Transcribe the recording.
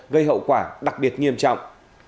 gây hậu quả đặc biệt nghiêm trọng